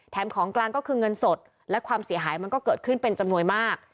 ของกลางก็คือเงินสดและความเสียหายมันก็เกิดขึ้นเป็นจำนวนมาก